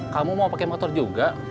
kamu mau pakai motor juga